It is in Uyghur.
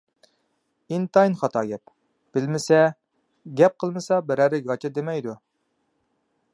ئىنتايىن خاتا گەپ. بىلمىسە، گەپ قىلمىسا بىرەرى گاچا دېمەيدۇ.